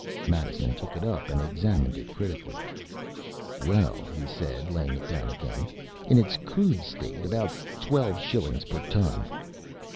” Madison took it up and examined it critically. “Well,” he said, laying it down again, “in its crude state about twelve shillings per ton.